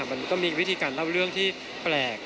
มันก็มีวิธีการเล่าเรื่องที่แปลก